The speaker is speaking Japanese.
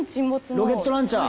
ロケットランチャー